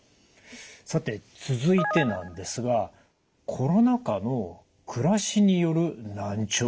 さて続いてなんですがコロナ禍の暮らしによる難聴です。